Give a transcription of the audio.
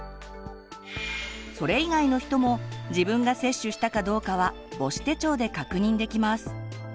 それ以外の人も自分が接種したかどうかは母子手帳で確認できます。